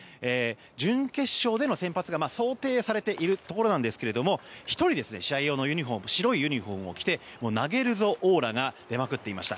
準決勝での先発が想定されているところなんですけれども１人、試合用のユニホーム白いユニホームを着て投げるぞオーラが出まくっていました。